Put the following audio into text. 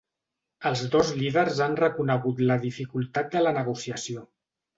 Els dos líders han reconegut la dificultat de la negociació.